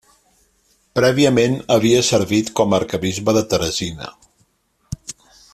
Prèviament havia servit com a arquebisbe de Teresina.